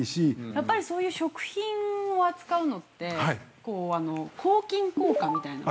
◆やっぱりそういう食品を扱うのって、抗菌効果みたいなのは。